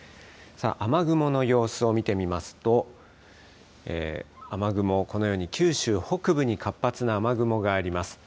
雨雲の様子を見てみますと雨雲、このように九州北部に活発な雨雲があります。